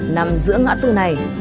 nằm giữa ngã tư này